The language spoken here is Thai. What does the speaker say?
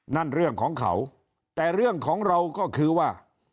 นั่นเรื่องของเขาแต่เรื่องของเราก็คือว่า